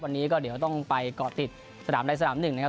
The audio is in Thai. วันนี้ก็ต้องไปเกาะติดสตามแรกสนามหนึ่งนะครับ